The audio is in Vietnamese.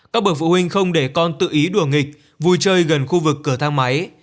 các bậc phụ huynh không để con tự ý đùa nghịch vui chơi gần khu vực cửa thang máy